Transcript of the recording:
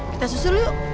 kita susul yuk